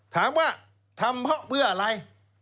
ถามว่าทำเพราะเพื่ออะไร